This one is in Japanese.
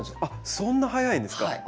あっそんな早いんですか？